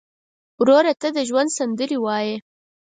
ورور ته د ژوند سندرې وایې.